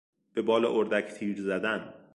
به بال اردک تیر زدن